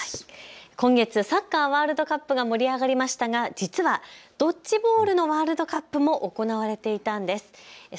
今月、サッカーワールドカップが盛り上がりましたが実はドッジボールのワールドカップも行われていたんです。